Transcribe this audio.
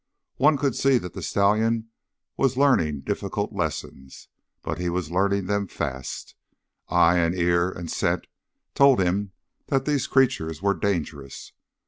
One could see that the stallion was learning difficult lessons, but he was learning them fast. Eye and ear and scent told him that these creatures were dangerous.